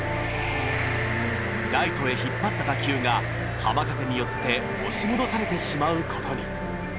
ライトへ引っ張った打球が浜風によって押し戻されてしまうことに。